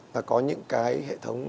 là có những cái hệ thống